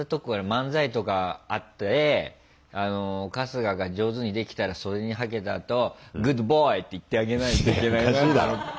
漫才とかあって春日が上手にできたら袖にはけたあと「グッドボーイ」って言ってあげないといけないなと思った。